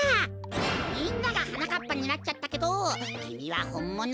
みんながはなかっぱになっちゃったけどきみはほんもの？